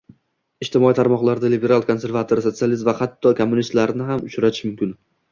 Ijtimoiy tarmoqdarda liberal, konservator, sotsialist va hatto kommunistlarni uchratish mumkin.